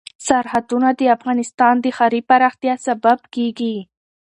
سرحدونه د افغانستان د ښاري پراختیا سبب کېږي.